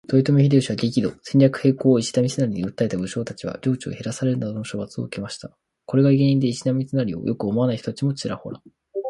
豊臣秀吉は激怒。戦略変更を石田三成に訴えた武将達は領地を減らされるなどの処罰を受けました。これが原因で石田三成を良く思わない人たちもちらほら。